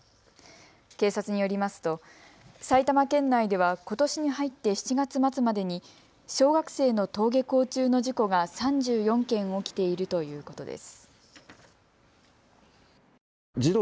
警察によりますと埼玉県内ではことしに入って７月末までに小学生の登下校中の事故が３４件起きているということです。